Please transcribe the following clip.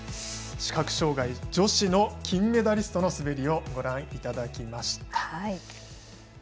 視覚障がい女子の金メダリストの滑りをご覧いただきました。